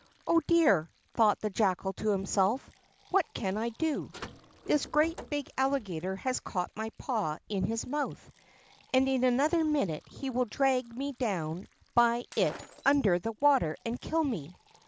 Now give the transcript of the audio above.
"Oh dear!" thought the Jackal to himself, "what can I do? This great, big Alligator has caught my paw in his mouth, and in another minute he will drag me down by it under the water and kill me.